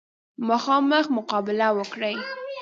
مخامخ مقابله وکړي.